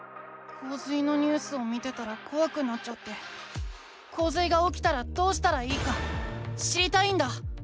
こう水のニュースを見てたらこわくなっちゃってこう水がおきたらどうしたらいいか知りたいんだ。